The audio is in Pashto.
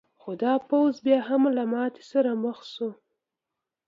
خو دا پوځ بیا هم له ماتې سره مخ شو.